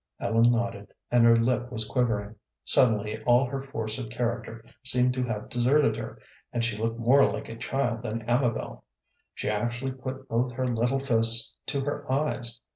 Ellen nodded, and her lip was quivering. Suddenly all her force of character seemed to have deserted her, and she looked more like a child than Amabel. She actually put both her little fists to her eyes.